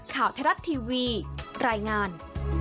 ข่าวเทราะทีวีรายงาน